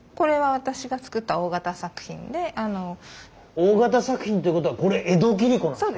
大型作品っていうことはこれ江戸切子なんですか？